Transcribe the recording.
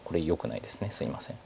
すいません。